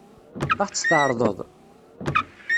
Ad ɣ-tt-tɛeṛḍeḍ?